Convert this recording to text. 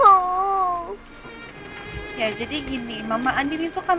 tapi kalau dia menitipkan dia akan menitipkan